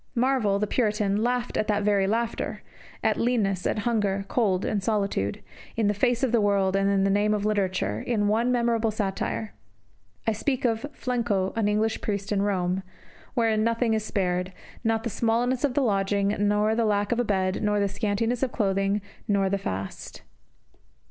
Marvell, the Puritan, laughed that very laughter at leanness, at hunger, cold, and solitude in the face of the world, and in the name of literature, in one memorable satire. I speak of "Flecno, an English Priest in Rome," wherein nothing is spared not the smallness of the lodging, nor the lack of a bed, nor the scantiness of clothing, nor the fast.